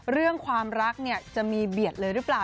เรื่องความรักเนี่ยจะมีเบียดเลยหรือเปล่า